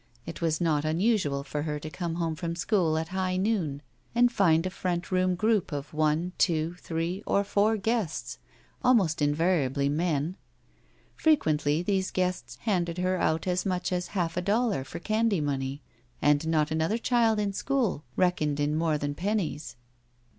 It was not unusual for her to come home from school at high noon and find a front room group of one, two, three, or four guests, almost invariably men. Frequently these guests handed her out as much as half a dollar for candy money, and not another child in school reckoned in more than pennies.